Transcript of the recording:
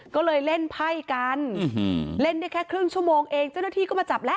ก็เลยเล่นไพ่กันเล่นได้แค่ครึ่งชั่วโมงเองเจ้าหน้าที่ก็มาจับแล้ว